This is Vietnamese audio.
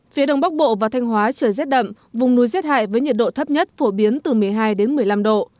phía đông bắc bộ và thanh hóa trời rét đậm vùng núi rét hại với nhiệt độ thấp nhất phổ biến từ một mươi hai đến một mươi năm độ